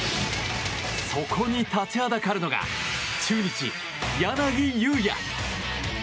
そこに立ちはだかるのが中日、柳裕也。